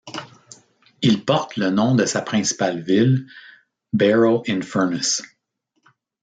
Il porte le nom de sa principale ville, Barrow-in-Furness.